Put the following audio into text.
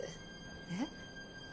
えっ？